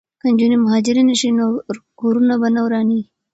که نجونې مهاجرې نه شي نو کورونه به نه ورانیږي.